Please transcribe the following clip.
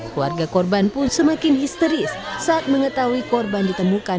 keluarga korban pun semakin histeris saat mengetahui korban ditemukan